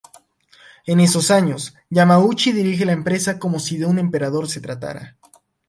En esos años, Yamauchi dirige la empresa como si de un emperador se tratara.